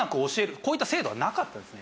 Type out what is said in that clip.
こういった制度はなかったんですね。